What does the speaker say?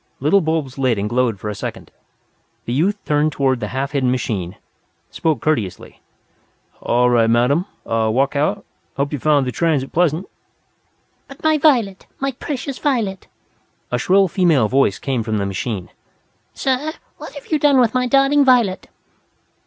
Little bulbs lit and glowed for a second. The youth turned toward the half hidden machine, spoke courteously. "All right, madam. Walk out. Hope you found the transit pleasant." "But my Violet! My precious Violet!" a shrill female voice came from the machine. "Sir, what have you done with my darling Violet?"